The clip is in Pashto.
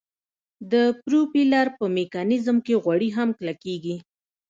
د پروپیلر په میکانیزم کې غوړي هم کلکیږي